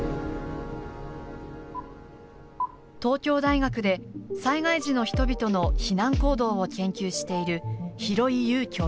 東京大学で災害時の人々の避難行動を研究している廣井悠教授。